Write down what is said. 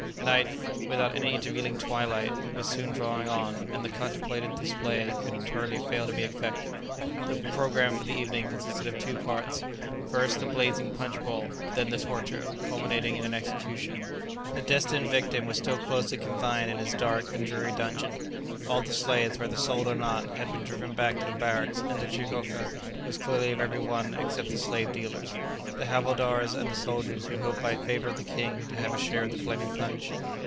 Night, without any intervening twilight, was soon drawing on, and the contemplated display could hardly fail to be effective. The programme for the evening consisted of two parts; first, the blazing punch bowl; then the torture, culminating in an execution. The destined victim was still closely confined in his dark and dreary dungeon; all the slaves, whether sold or not, had been driven back to the barracks, and the chitoka was cleared of every one except the slave dealers, the havildars, and the soldiers, who hoped, by favour of the king, to have a share of the flaming punch.